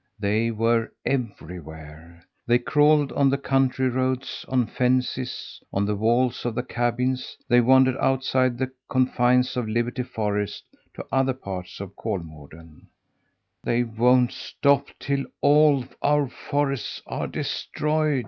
They were everywhere! They crawled on the country roads, on fences, on the walls of the cabins. They wandered outside the confines of Liberty Forest to other parts of Kolmården. "They won't stop till all our forests are destroyed!"